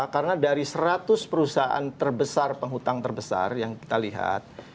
karena dari seratus perusahaan terbesar penghutang terbesar yang kita lihat